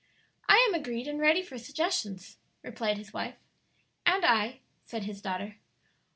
"I am agreed and ready for suggestions," replied his wife. "And I," said his daughter.